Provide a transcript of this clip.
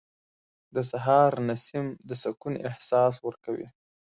• د سهار نسیم د سکون احساس ورکوي.